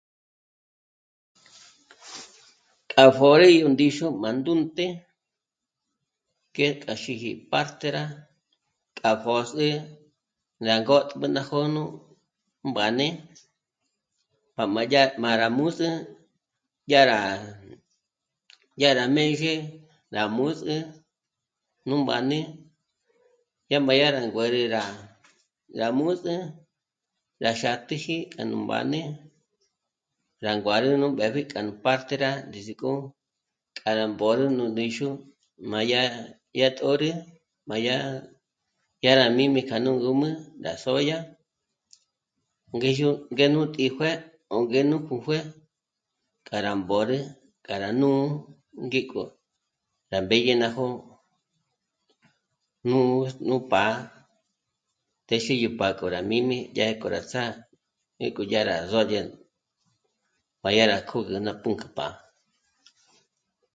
Kjá pjö̀rú yó ndíxu má ndū́nt'e k'ej taxíji partera k'a pjö̀s'ü rá ngótm'ü ná jônü mbáne para dyá rá m'at mǜs'ü dyá rá... dyá rá mêzhe rá mǜs'ü nú mbáne dyá m'a dyá rá juêñeja mǜs'ü rá xá'tiji k'a nú mbáne rá nguârü nú mbèpji ká partera zík'o k'a rá mbö̌rü nú ndíxu má dyá 'ä̀tjorü, m'a dyá rá jmī́mi kja nú ngûmü rá sôdya ngíxu ngé nú tíjue'e 'óngenu kju jué'e k'a rá mbö̌rü, k'a rá nù'u ngíko rá mbèdye ná jó'o nú pá'a téxi yó pá'a k'o rá jmī́mi dyä̀k'o rá ts'á'a, dyä̀k'o dyà rá sòdye pa dya kö̌gü ná pǔnk'ü pá'a